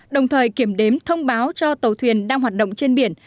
đồng thời kiểm đếm thông báo cho tàu thuyền đang hoạt động trên biển